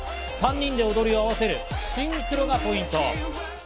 ３人で踊りを合わせるシンクロがポイント。